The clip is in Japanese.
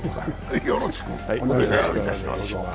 よろしくお願いします。